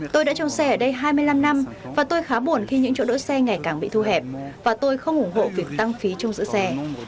tôi đã trồng xe ở đây hai mươi năm năm và tôi khá buồn khi những chỗ đỗ xe ngày càng bị thu hẹp và tôi không ủng hộ việc tăng phí trong giữ xe